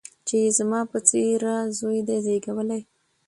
چي یې زما په څېره زوی دی زېږولی